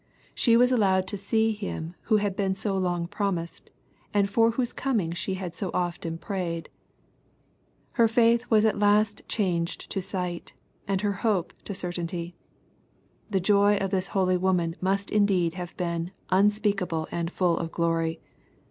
She was allowed to see Him who had been so long promised, and for whose coming she had so often prayed. Her faith was at last changed to sight, and her hope to certainty. The joy of this holy woman must indeed have been " unspeakable and full of glory.''